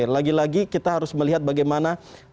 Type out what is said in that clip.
lagi lagi kita harus melihat bagaimana